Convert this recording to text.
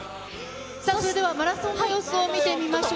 さあ、それではマラソンの様子を見てみましょう。